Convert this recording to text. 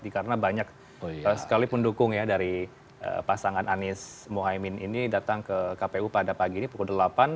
karena banyak sekalipun dukung ya dari pasangan anies mohaimin ini datang ke kpu pada pagi ini pukul delapan